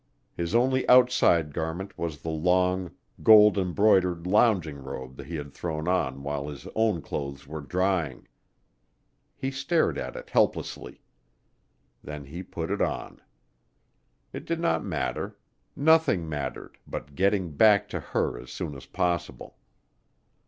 His only outside garment was the long, gold embroidered lounging robe he had thrown on while his own clothes were drying. He stared at it helplessly. Then he put in on. It did not matter nothing mattered but getting back to her as soon as possible.